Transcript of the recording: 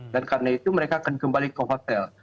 dan karena itu mereka akan kembali ke hotel